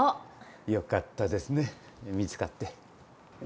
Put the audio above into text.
よかったですね見つかって。